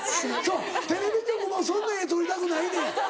そうテレビ局もそんな画撮りたくないねん。